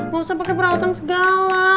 gak usah pakai perawatan segala